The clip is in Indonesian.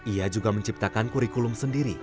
ia juga menciptakan kurikulum sendiri